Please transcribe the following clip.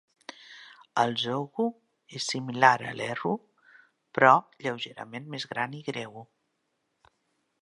El "zhonghu" és similar a l'erhu, però lleugerament més gran i greu.